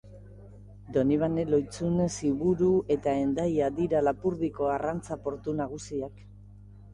Donibane Lohizune-Ziburu eta Hendaia dira Lapurdiko arrantza portu nagusiak.